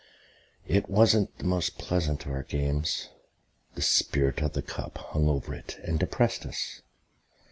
It wasn't the most pleasant of our games. The spirit of the cup hung over it and depressed us.